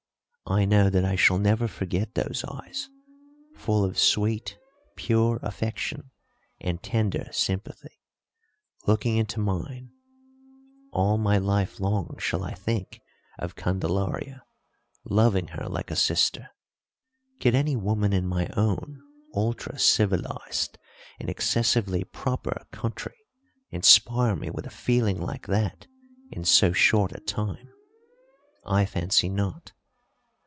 I know that I shall never forget those eyes, full of sweet, pure affection and tender sympathy, looking into mine; all my life long shall I think of Candelaria, loving her like a sister. Could any woman in my own ultra civilised and excessively proper country inspire me with a feeling like that in so short a time? I fancy not.